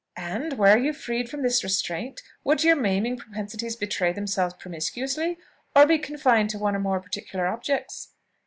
"And, were you freed from this restraint, would your maiming propensities betray themselves promiscuously, or be confined to one or more particular objects?"